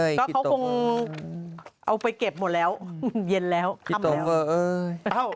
ก็เขาคงเอาไปเก็บหมดแล้วเย็นแล้วค่ำแล้ว